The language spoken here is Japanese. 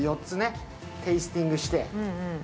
４つテイスティングして。